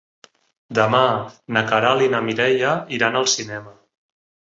Demà na Queralt i na Mireia iran al cinema.